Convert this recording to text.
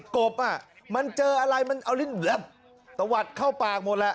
กบมันเจออะไรมันเอาลิ้นตะวัดเข้าปากหมดแหละ